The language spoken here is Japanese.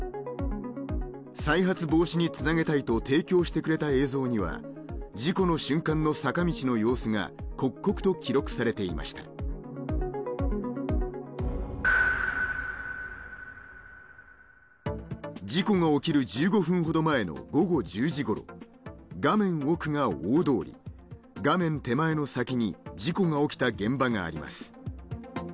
再発防止につなげたいと提供してくれた映像には事故の瞬間の坂道の様子が刻々と記録されていました事故が起きる１５分ほど前の午後１０時頃画面奥が大通り画面手前の先に事故が起きた現場があります